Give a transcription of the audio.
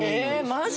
マジ？